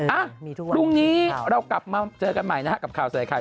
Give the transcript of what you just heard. อ่ะรุ่นนี้เรากลับมาเจอกันใหม่นะครับกับคลาวแสดงไข่